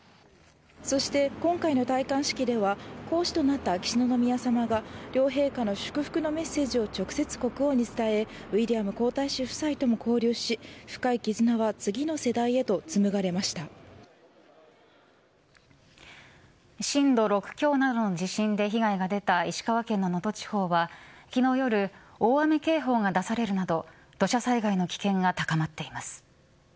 そして今回の戴冠式では皇嗣となった秋篠宮さまが両陛下の祝福のメッセージを直接ここに伝えウィリアム皇太子夫妻とも交流し深い絆は震度６強などの地震で被害が出た石川県の能登地方は昨日、夜大雨警報が出されるなど土砂災害の危険が高まっています。